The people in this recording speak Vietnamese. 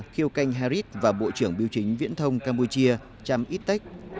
khiêu canh harit và bộ trưởng biểu chính viễn thông campuchia cham ittech